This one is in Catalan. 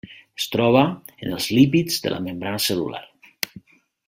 Es troba en els lípids de la membrana cel·lular.